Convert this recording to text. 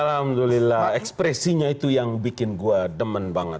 alhamdulillah ekspresinya itu yang bikin gue demen banget